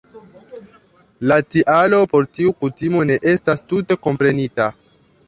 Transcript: La tialo por tiu kutimo ne estas tute komprenita.